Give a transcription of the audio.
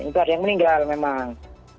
itu ada yang meninggal memang